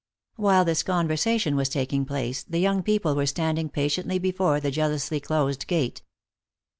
While this conversation was taking place the young people were standing patiently before the jealously closed gate.